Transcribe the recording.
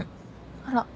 あら。